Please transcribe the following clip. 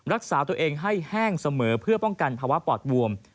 รักษาตัวเองให้แห้งเสมอเพื่อป้องกันภาวะปอดบวม